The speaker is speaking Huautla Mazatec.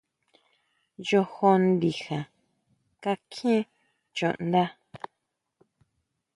Yojo ndija kakjién chuʼnda.